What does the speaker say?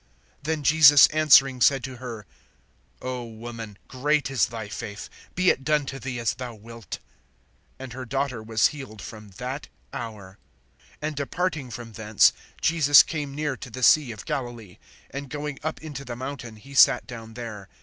(28)Then Jesus answering said to her: O woman, great is thy faith; be it done to thee as thou wilt. And her daughter was healed from that hour. (29)And departing from thence, Jesus came near to the sea of Galilee; and going up into the mountain, he sat down there.